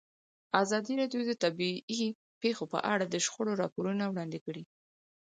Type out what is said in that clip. ازادي راډیو د طبیعي پېښې په اړه د شخړو راپورونه وړاندې کړي.